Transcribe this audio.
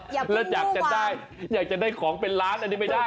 อยากจะได้ของเป็นล้านอันนี้ไม่ได้